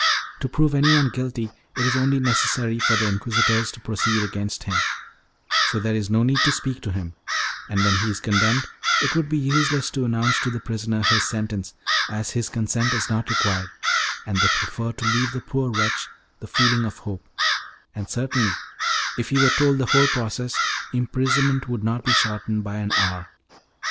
To prove anyone guilty, it is only necessary for the Inquisitors to proceed against him; so there is no need to speak to him, and when he is condemned it would be useless to announce to the prisoner his sentence, as his consent is not required, and they prefer to leave the poor wretch the feeling of hope; and certainly, if he were told the whole process, imprisonment would not be shortened by an hour.